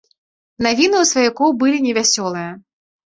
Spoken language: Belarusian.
Навіны ў сваякоў былі невясёлыя.